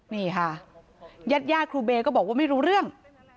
นี่ค่ะยัดยากครูเบก็บอกว่าไม่รู้เรื่อง